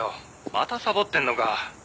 「またサボってんのか」